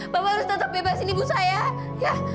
bapak harus tetap bebas di ibu saya ya